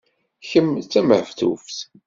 Kemm d tamehtuft!